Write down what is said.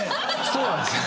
そうなんですよ。